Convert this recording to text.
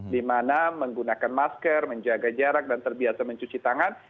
di mana menggunakan masker menjaga jarak dan terbiasa mencuci tangan